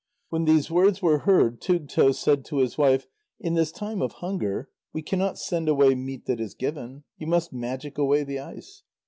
When these words were heard, Tugto said to his wife: "In this time of hunger we cannot send away meat that is given. You must magic away the ice."